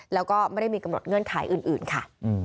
แล้วก็ไม่ได้มีกำหนดเงื่อนไขอื่นค่ะ